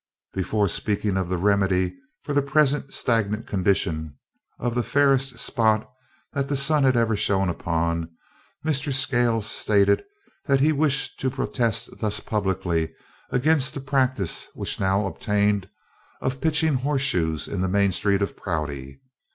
Before speaking of the remedy for the present stagnant condition of "the fairest spot that the sun ever shone upon," Mr. Scales stated that he wished to protest thus publicly against the practice which now obtained of pitching horseshoes in the main street of Prouty.